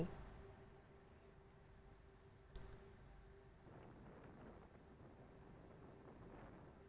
dan kita lihat di video ini sekitar hanya tersisa seperempat saja jembatan ini